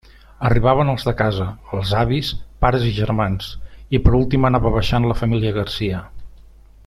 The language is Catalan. Arribaven els de casa: els avis, pares i germans, i per últim anava baixant la família Garcia.